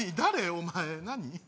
お前何？